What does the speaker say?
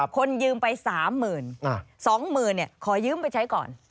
คนยืมไปสามหมื่นสองหมื่นขอยืมไปใช้ก่อน